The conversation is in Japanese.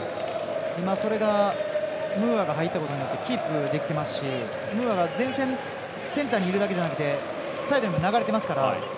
今、それがムーアが入ったことによってキープできていますしムーアが前線センターにいるだけじゃなくサイドにも流れていますから。